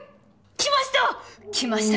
来ました